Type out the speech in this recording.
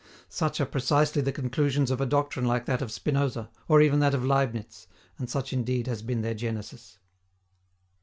Such are precisely the conclusions of a doctrine like that of Spinoza, or even that of Leibniz, and such indeed has been their genesis.